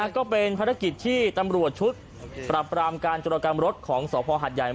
ก็เป็นภารกิจที่ตำรวจชุดปรับปรามการจรกรรมรถของสภหัดใหญ่